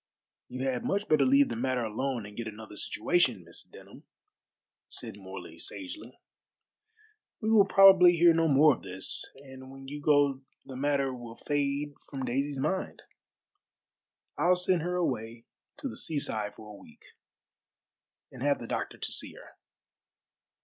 "You had much better leave the matter alone and get another situation, Miss Denham," said Morley sagely. "We will probably hear no more of this, and when you go the matter will fade from Daisy's mind. I'll send her away to the seaside for a week, and have the doctor to see her."